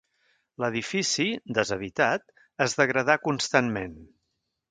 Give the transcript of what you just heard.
L'edifici, deshabitat, es degradà constantment.